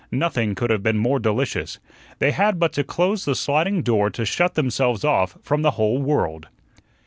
Nothing could have been more delicious. They had but to close the sliding door to shut themselves off from the whole world.